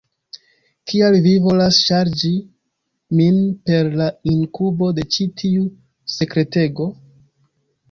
Kial vi volas ŝarĝi min per la inkubo de ĉi tiu sekretego?